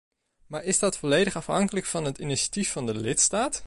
Maar dat is volledig afhankelijk van het initiatief van de lidstaat.